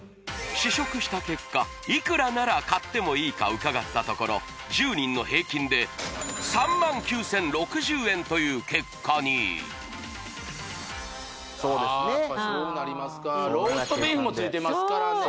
試食した結果いくらなら買ってもいいか伺ったところ１０人の平均で３万９０６０円という結果にそうですねああやっぱそうなりますかローストビーフも付いてますからね